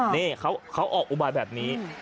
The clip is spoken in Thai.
นี่เขาออกอุบายแบบนี้